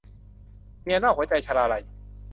เมียนอกหัวใจ - ชลาลัย